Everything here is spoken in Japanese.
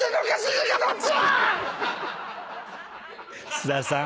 津田さん。